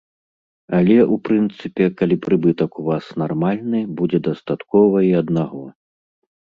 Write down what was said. Але, у прынцыпе, калі прыбытак у вас нармальны, будзе дастаткова і аднаго.